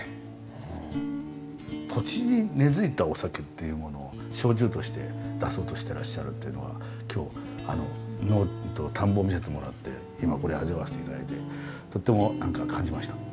土地に根づいたお酒っていうものを焼酎として出そうとしてらっしゃるっていうのは今日田んぼ見せてもらって今これ味わわせていただいてとっても何か感じました。